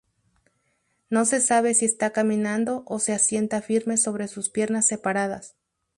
No se sabe si está caminando o se asienta firme sobre sus piernas separadas.